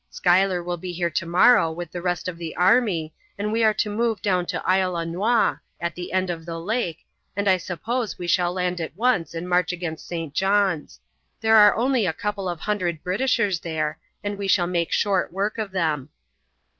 Schuyler will be here tomorrow with the rest of the army, and we are to move down to Isle aux Noix, at the end of the lake, and I suppose we shall land at once and march against St. John's. There are only a couple of hundred Britishers there, and we shall make short work of them."